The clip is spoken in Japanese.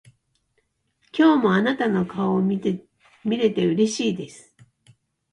今日もあなたの顔を見れてうれしいです。